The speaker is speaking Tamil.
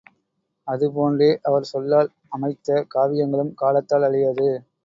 அது போன்றே அவர் சொல்லால் அமைத்த காவியங்களும் காலத்தால் அழியாது.